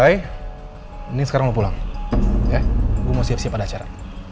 ya gue mau siap dua pada acara